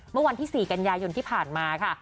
เมื่อวันที่๔กันยายนที่ผ่านมาค่ะ